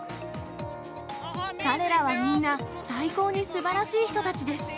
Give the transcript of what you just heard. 彼らはみんな、最高にすばらしい人たちです！